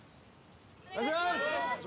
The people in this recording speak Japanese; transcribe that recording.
お願いします